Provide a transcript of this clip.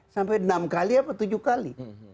sampai enam kali apa tujuh kali